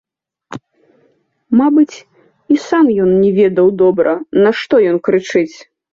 Мабыць, і сам ён не ведаў добра, нашто ён крычыць.